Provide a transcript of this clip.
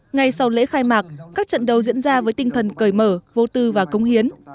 ngay sau lễ khai mạc các trận đấu diễn ra với tinh thần cởi mở vô tư và công hiến